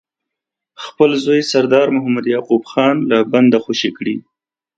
خپل زوی سردار محمد یعقوب خان له بنده خوشي کړي.